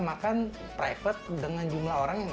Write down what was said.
makan private dengan jumlah orang